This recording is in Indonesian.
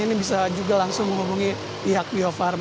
ini bisa juga langsung dilakukan